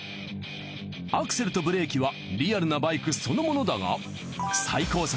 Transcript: アクセルとブレーキはリアルなバイクそのものだが。